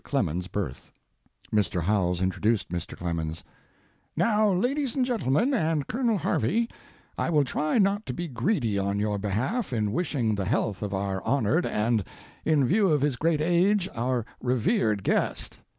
CLEMENS' BIRTH Mr. Howells introduced Mr. Clemens: "Now, ladies and gentlemen, and Colonel Harvey, I will try not to be greedy on your behalf in wishing the health of our honored and, in view of his great age, our revered guest.